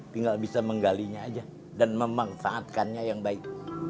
tinggal bisa menggalinya aja dan memanfaatkannya yang baik